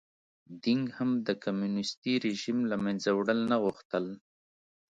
دینګ هم د کمونېستي رژیم له منځه وړل نه غوښتل.